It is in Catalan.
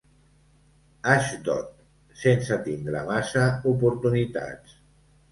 Ashdod, sense tindre massa oportunitats.